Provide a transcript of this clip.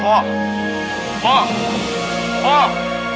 พ่อพ่อจังไปแล้ว